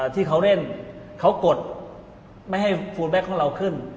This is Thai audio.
ที่เขาเล่นเขากดไม่ให้ฟูลแบ็คของเราขึ้น